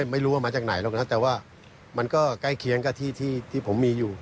ไม่รู้ว่ามาจากไหนหรอกนะครับแต่ว่ามันก็ใกล้เคียงกับที่ที่ผมมีอยู่